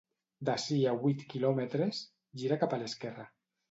D'ací a huit quilòmetres, gira cap a l'esquerra.